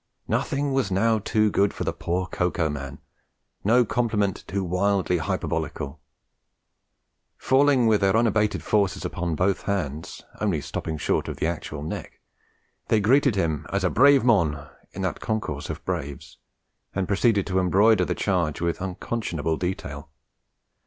Nothing was now too good for the poor Cocoa Man, no compliment too wildly hyperbolical. Falling with their unabated forces upon both his hands, only stopping short of the actual neck, they greeted him as 'a brave mon' in that concourse of braves, and proceeded to embroider the charge with unconscionable detail.